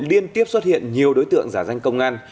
liên tiếp xuất hiện nhiều đối tượng giả danh công an